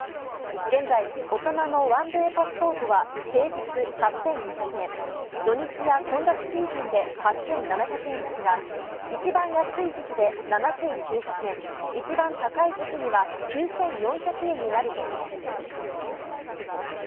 現在、大人の１デーパスポートは平日８２００円土日や混雑シーズンで８７００円ですが一番安い時期で７９００円一番高い時期には９４００円になるということです。